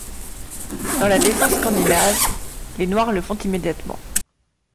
Dans la défense scandinave, les Noirs le font immédiatement.